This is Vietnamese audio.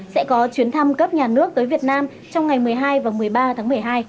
sẽ có chuyến thăm cấp nhà nước tới việt nam trong ngày một mươi hai và một mươi ba tháng một mươi hai